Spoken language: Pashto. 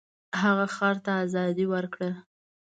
هغه خر ته ازادي ورکړه.